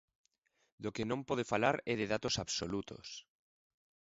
Do que non pode falar é de datos absolutos.